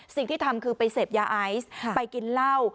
สิ่งที่ทำคือไปเสพยาไอซ์ไปกินเหล้า